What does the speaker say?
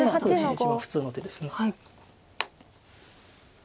一番普通の手です。